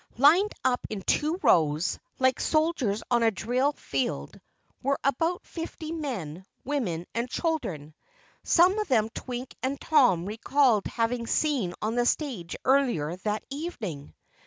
Lined up in two rows, like soldiers on a drill field, were about fifty men, women, and children. Some of them Twink and Tom recalled having seen on the stage earlier that evening.